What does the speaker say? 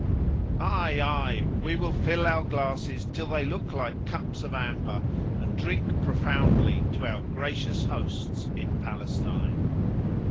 Ay! ay! we will fill our glasses till they look like cups of amber, and drink profoundly to our gracious hosts in Palestine.